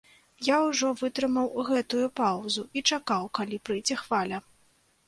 Я ўжо вытрымаў гэтую паўзу і чакаў, калі прыйдзе хваля.